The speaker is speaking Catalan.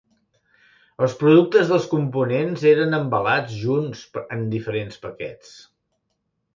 Els productes dels components eren embalats junts en diferents paquets.